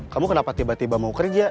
kamu kenapa tiba tiba mau kerja